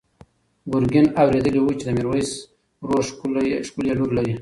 ګرګین اورېدلي وو چې د میرویس ورور ښکلې لور لري.